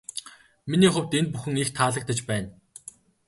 Миний хувьд энэ бүхэн их таалагдаж байна.